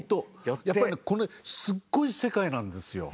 やっぱりねこの絵すっごい世界なんですよ。